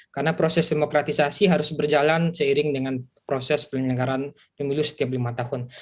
karena proses demokratisasi harus berjalan seiring dengan proses penyelenggaraan pemilu setiap lima tahun